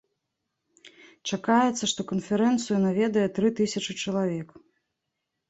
Чакаецца, што канферэнцыю наведае тры тысячы чалавек.